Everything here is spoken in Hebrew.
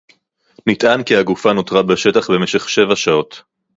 נטען כי הגופה נותרה בשטח במשך שבע שעות